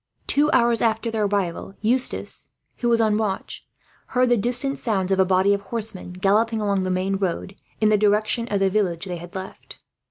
Two hours after their arrival Eustace, who was on watch, heard the distant sounds of a body of horsemen, galloping along the main road in the direction of the village they had left.